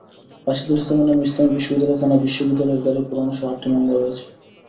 রাশিদুল ইসলামের নামে ইসলামী বিশ্ববিদ্যালয় থানায় বিশ্ববিদ্যালয়ের গাড়ি পোড়ানোসহ আটটি মামলা রয়েছে।